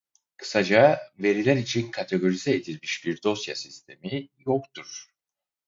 Kısaca veriler için kategorize edilmiş bir dosya sistemi yoktur.